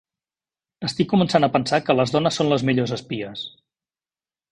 Estic començant a pensar que les dones són les millors espies.